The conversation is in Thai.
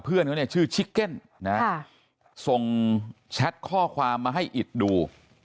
เพื่อนเขาเนี่ยชื่อชิกเก็นนะส่งแชทข้อความมาให้อิดดู